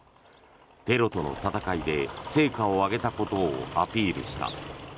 テロとの戦いで成果を挙げたことをアピールした。